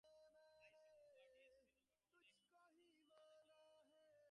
আজ শুক্রবার ডিএসসিসির নগর ভবনে এক সংবাদ সম্মেলনে এ তথ্য জানিয়েছেন সংস্থাটি।